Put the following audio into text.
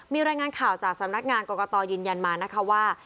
มีรายงานข่าวจากสำนักงานกรกตยืนยันมานะคะว่า